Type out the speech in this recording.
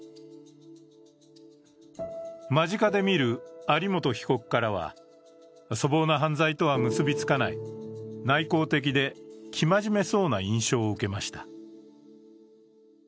間近で見る有本被告からは粗暴な犯罪とは結びつかない内向的で生真面目そうな印象を受けました。